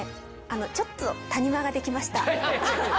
あのちょっと谷間ができました。